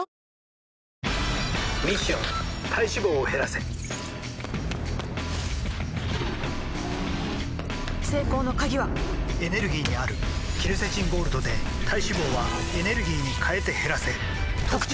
ミッション体脂肪を減らせ成功の鍵はエネルギーにあるケルセチンゴールドで体脂肪はエネルギーに変えて減らせ「特茶」